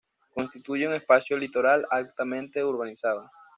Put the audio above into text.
Constituye un espacio litoral altamente urbanizado.